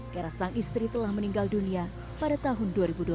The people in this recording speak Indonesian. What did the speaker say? karena sang istri telah meninggal dunia pada tahun dua ribu dua puluh